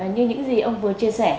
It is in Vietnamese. như những gì ông vừa chia sẻ